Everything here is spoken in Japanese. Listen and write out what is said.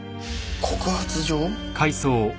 告発状？